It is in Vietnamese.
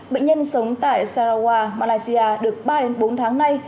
bệnh nhân sống tại saragua malaysia được ba bốn tháng nay